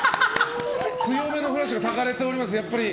強めのフラッシュがたかれております。